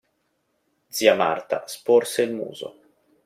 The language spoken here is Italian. Zia Marta sporse il muso.